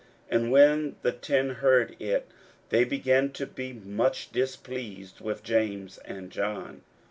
41:010:041 And when the ten heard it, they began to be much displeased with James and John.